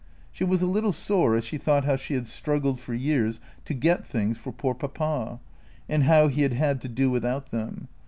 She was a little sore as she thought how she had struggled for years to get things for poor Papa, and how he had had to do without them.